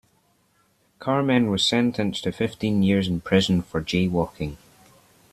Carmen was sentenced to fifteen years in prison for jaywalking.